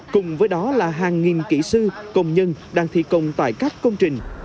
cùng với đó là hàng nghìn kỹ sư công nhân đang thi công tại các công trình